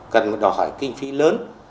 cần đòi hỏi kinh phí lớn